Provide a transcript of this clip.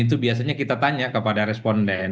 itu biasanya kita tanya kepada responden